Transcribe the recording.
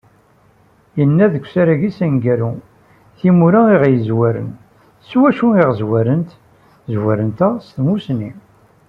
Yenna deg usarag-is aneggaru: " Timura i aɣ-yezwaren, s wacu i aɣ-zwarent? Zwarent-aɣ s tmussni."